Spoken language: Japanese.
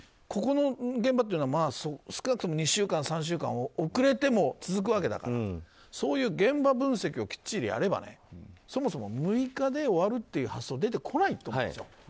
ここの現場というのは少なくとも２３週間遅れても続くわけだからそういう現場分析をきっちりやればそもそも６日で終わるという発想は出てこないと思うんですよ。